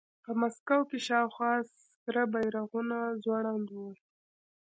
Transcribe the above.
په مسکو کې شاوخوا سره بیرغونه ځوړند وو